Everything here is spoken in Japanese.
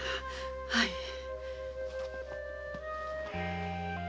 はい。